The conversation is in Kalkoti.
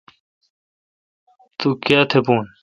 تو کیا تھہ بون۔